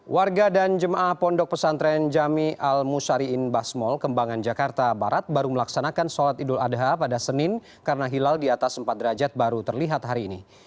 warga dan jemaah pondok pesantren jami al ⁇ sariin basmol kembangan jakarta barat baru melaksanakan sholat idul adha pada senin karena hilal di atas empat derajat baru terlihat hari ini